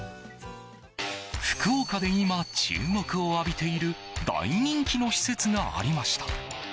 福岡で今、注目を浴びている大人気の施設がありました。